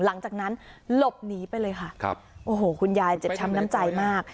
หลังจากนั้นหลบหนีไปเลยค่ะครับโอ้โหคุณยายเจ็บช้ำน้ำใจมาก